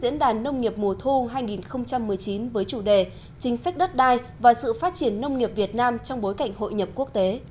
năm hai nghìn một mươi chín với chủ đề chính sách đất đai và sự phát triển nông nghiệp việt nam trong bối cảnh hội nhập quốc tế